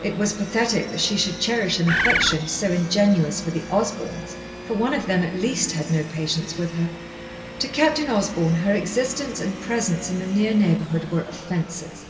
It was pathetic that she should cherish an affection so ingenuous for the Osborns, for one of them at least had no patience with her. To Captain Osborn her existence and presence in the near neighbourhood were offences.